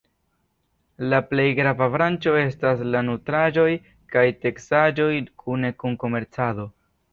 La plej grava branĉo estas la nutraĵoj kaj teksaĵoj kune kun komercado.